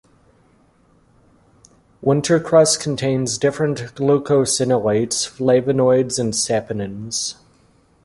Winter cress contains different glucosinolates, flavonoids and saponins.